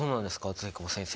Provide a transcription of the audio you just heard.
露久保先生。